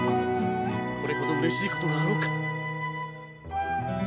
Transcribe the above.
これほどうれしいことがあろうか。